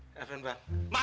kenapa terlihat seperti itu wak